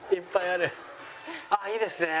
ああいいですね。